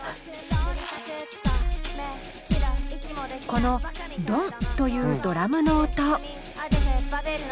この「ドンッ！」というドラムの音。